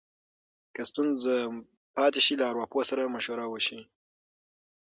که ستونزه پاتې شي، له ارواپوه سره مشوره وشي.